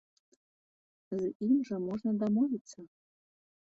З ім жа можна дамовіцца.